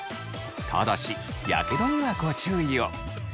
ただしやけどにはご注意を。